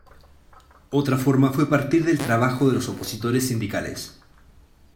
Otra forma fue a partir del trabajo de los opositores sindicales.